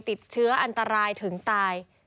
ติดเชื้ออันตรายถึงตาย